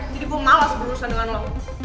jadi gue malas berurusan dengan lo